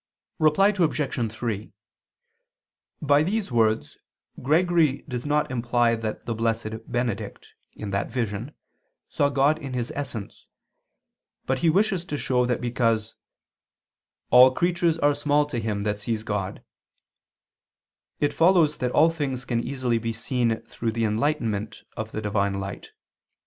Reply Obj. 3: By these words Gregory does not imply that the blessed Benedict, in that vision, saw God in His essence, but he wishes to show that because "all creatures are small to him that sees God," it follows that all things can easily be seen through the enlightenment of the Divine light.